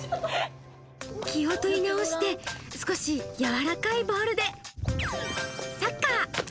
気を取り直して、少し柔らかいボールでサッカー。